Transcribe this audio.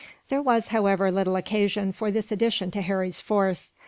There was, however, little occasion for this addition to Harry's force.